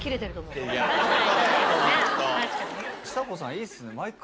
ちさ子さんいいっすね。